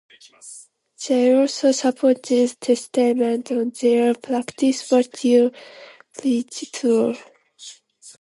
They also supported Testament on their "Practice What You Preach" tour.